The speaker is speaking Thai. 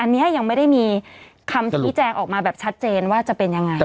อันนี้ยังไม่ได้มีคำชี้แจงออกมาแบบชัดเจนว่าจะเป็นยังไง